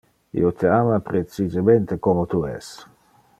Io te ama precisemente como tu es.